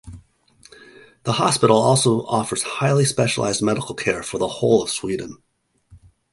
The hospital also offers highly specialised medical care for the whole of Sweden.